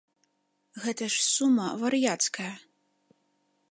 Гэта ж сума вар'яцкая.